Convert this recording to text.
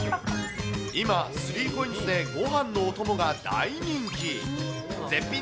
今、３コインズでごはんのお供が大人気。